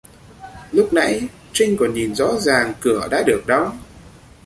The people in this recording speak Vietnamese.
Lúc nãy trinh còn nhìn rõ ràng cửa đã được đóng